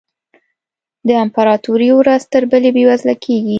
د امپراتوري ورځ تر بلې بېوزله کېږي.